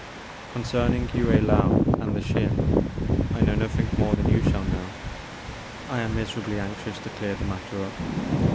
CONCERNING Yue Uou and the Xin I know nothing more than you shall know. I am miserably anxious to clear the mat ter up.